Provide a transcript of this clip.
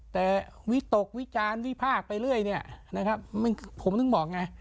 แต่วิตกวิจารณ์วิพากษ์ไปเรื่อยเนี่ยนะครับผมถึงบอกไง